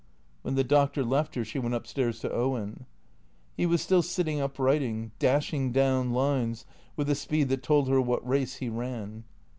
When the Doctor left her she went up stairs to Owen. He was still sitting up writing, dashing down lines with a speed that told her what race he ran.